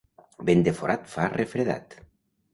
Vent de forat fa refredat.